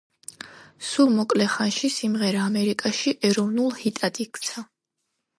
სულ მოკლე ხანში სიმღერა ამერიკაში ეროვნულ ჰიტად იქცა.